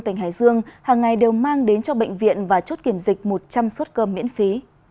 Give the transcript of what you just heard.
tỉnh hải dương hàng ngày đều mang đến cho bệnh viện và chốt kiểm dịch một trăm linh suất cơm miễn phí